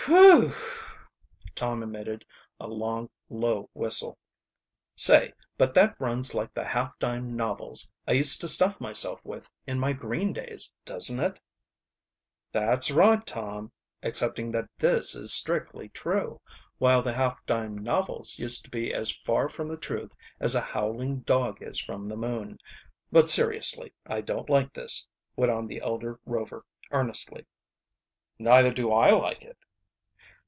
"Phew!" Tom emitted a long, low whistle. "Say, but that runs like the half dime novels I used to stuff myself with in my green days, doesn't it?" "That's right, Tom, excepting that this is strictly true, while the half dime novels used to be as far from the truth as a howling dog is from the moon. But seriously, I don't like this," went on the elder Rover earnestly. "Neither do I like it."